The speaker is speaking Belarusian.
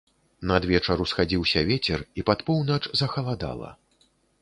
Надвечар усхадзіўся вецер, і пад поўнач захаладала.